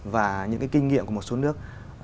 và những cái kinh nghiệm của một số nước